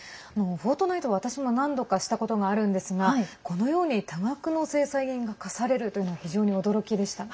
「フォートナイト」は私も何度か、したことがあるんですがこのように、多額の制裁金が科されるというのは非常に驚きでした。